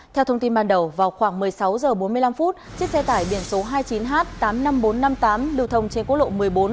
theo thông tin ban đầu vào khoảng một mươi sáu h bốn mươi năm chiếc xe tải biển số hai mươi chín h tám mươi năm nghìn bốn trăm năm mươi tám lưu thông trên quốc lộ một mươi bốn